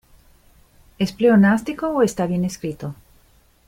¿Es pleonástico o está bien escrito?